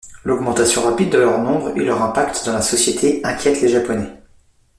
L’augmentation rapide de leur nombre et leur impact dans la société inquiètent les Japonais.